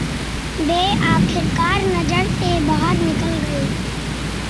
वे आखिरकार नज़र से बाहर निकल गए।